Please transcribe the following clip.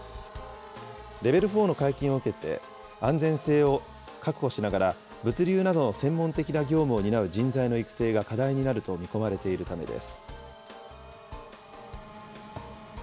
レベル４の解禁を受けて、安全性を確保しながら、物流などの専門的な業務を担う人材の育成が課題になると見込まれているためです。